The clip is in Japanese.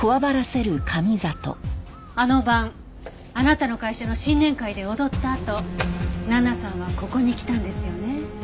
あの晩あなたの会社の新年会で踊ったあと奈々さんはここに来たんですよね？